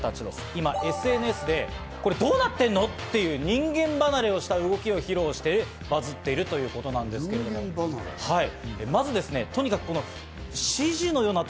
今ＳＮＳでこれ、どうなってんの？って言う人間離れをした動きを披露してバズっているということなんですけれども、まず、とにかくＣＧのような。